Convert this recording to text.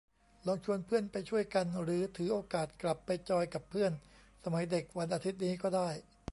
ลองชวนเพื่อนไปช่วยกัน หรือถือโอกาสกลับไปจอยกับเพื่อนสมัยเด็กวันอาทิตย์นี้ก็ได้